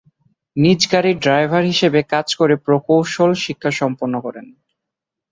নিজ গাড়ীর ড্রাইভার হিসেবে কাজ করে প্রকৌশল শিক্ষা সম্পন্ন করেন।